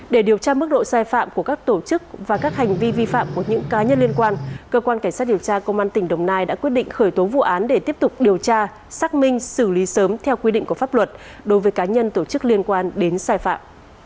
để điều tra mức độ sai phạm của các tổ chức và các hành vi vi phạm của những cá nhân liên quan cơ quan cảnh sát điều tra công an tỉnh đồng nai đã quyết định khởi tố vụ án để tiếp tục điều tra xác minh xử lý sớm theo quy định của pháp luật đối với cá nhân tổ chức liên quan đến sai phạm